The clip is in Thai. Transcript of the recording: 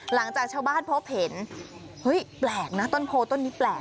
หลังจากชาวบ้านพบเห็นเฮ้ยแปลกนะต้นโพต้นนี้แปลก